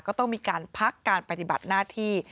ก็ต้องมีการพักการปฏิบัติหน้าที่